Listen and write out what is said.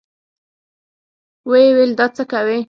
ويې ويل دا څه کوې.